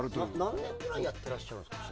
何年ぐらいやっていらっしゃるんですか。